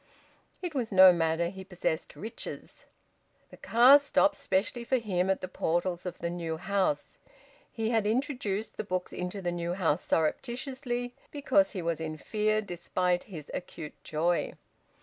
It was no matter; he possessed riches. The car stopped specially for him at the portals of the new house. He had introduced the books into the new house surreptitiously, because he was in fear, despite his acute joy.